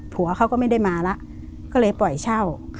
ผัวเขาก็ไม่ได้มาแล้วก็เลยปล่อยเช่า